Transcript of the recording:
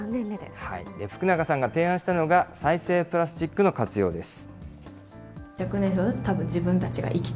福永さんが提案したのが、再生プラスチックの活用です。